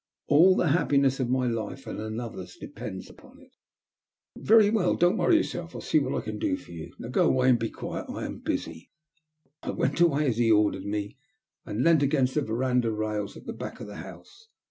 All the happiness of my life and another*s depends upon it" " Very well. Don't worry yourself. I'll see what I can do for you. Now go away and be quiet. I'm busy." I went away as he ordered me, and leant against the verandah rails at the back of the house.